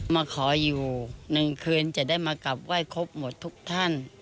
มาขออยู่๑คืนจะได้มากลับไหว้ครบหมดทุกท่าน